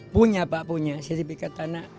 punya pak punya sertifikat tanah